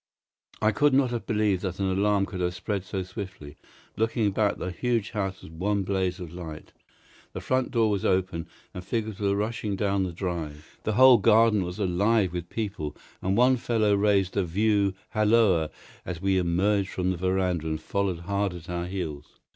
I could not have believed that an alarm could have spread so swiftly. Looking back, the huge house was one blaze of light. The front door was open, and figures were rushing down the drive. The whole garden was alive with people, and one fellow raised a view halloa as we emerged from the veranda and followed hard at our heels.